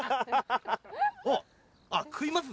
あっ食います？